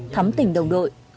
thắm tỉnh đồng đội